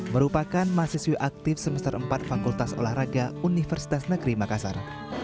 merupakan mahasiswi aktif semester empat fakultas olahraga universitas negeri makassar